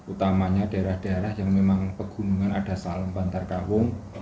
utamanya daerah daerah yang memang pegunungan ada salem bantar kawung